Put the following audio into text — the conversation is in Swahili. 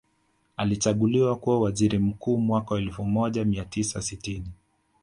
Alichaguliwa kuwa waziri mkuu mwaka elfu moja mia tisa sitini